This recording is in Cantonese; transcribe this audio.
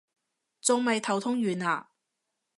仲未頭痛完啊？